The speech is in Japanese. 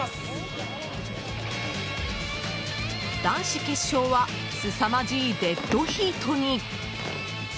男子決勝はすさまじいデッドヒートに！